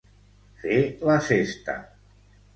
Fer la sesta.